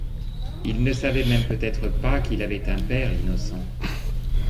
Il ne savait même peut-être pas qu'il avait un père, l'innocent!